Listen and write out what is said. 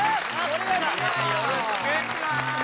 お願いします！